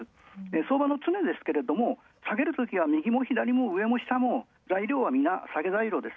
相場の常ですが、下げるときは右も左も上も下も材料はみな下げ材料です。